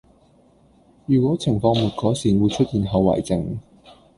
如果情況沒改善會出現後遺症